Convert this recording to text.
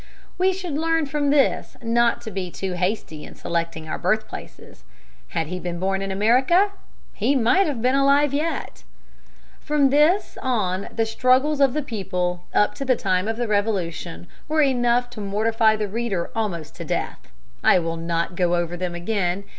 We should learn from this not to be too hasty in selecting our birthplaces. Had he been born in America, he might have been alive yet. From this on the struggles of the people up to the time of the Revolution were enough to mortify the reader almost to death. I will not go over them again.